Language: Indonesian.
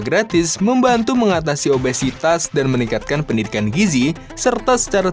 gratis membantu mengatasi obesitas dan meningkatkan pendidikan gizi serta secara